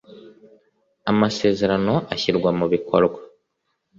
amasezerano ashyirwa mu bikorwa